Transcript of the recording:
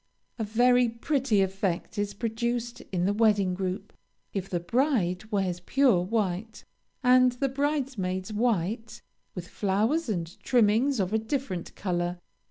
A very pretty effect is produced in the wedding group, if the bride wears pure white, and the bridesmaids white, with flowers and trimmings of a different color.